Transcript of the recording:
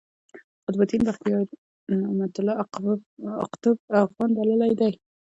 قطب الدین بختیار، نعمت الله اقطب افغان بللی دﺉ.